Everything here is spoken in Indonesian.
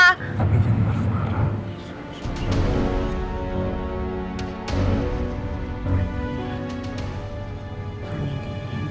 tapi jangan marah marah